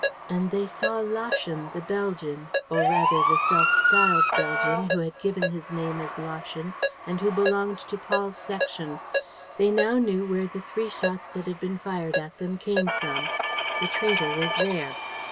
And they saw Laschen, the Belgian, or rather the self styled Belgian who had given his name as Laschen and who belonged to Paul's section. They now knew where the three shots that had been fired at them came from. The traitor was there.